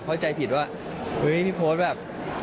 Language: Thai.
เหมือนว่าเฮ้ยมีโพสต์แบบ